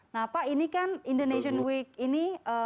nah pak ini kan indonesian week ini